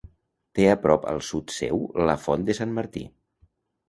Té a prop al sud seu la Font de Sant Martí.